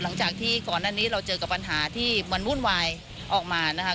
หลังจากที่ก่อนหน้านี้เราเจอกับปัญหาที่มันวุ่นวายออกมานะคะ